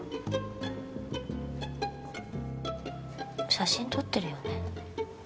写真撮ってるよね？